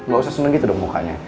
gak usah seneng gitu dong mukanya